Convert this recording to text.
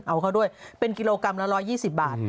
เอาเขาด้วยเป็นกิโลกรัมละ๑๒๐บาท